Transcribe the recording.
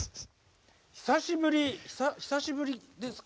久しぶり久しぶりですか？